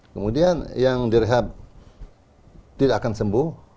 kemudian yang direhab tidak akan sembuh